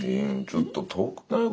ちょっと遠くない？